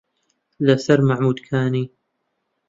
لە سەر مەحموودکانی